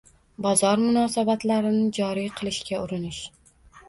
Bozor munosabatlarini joriy qilishga urinish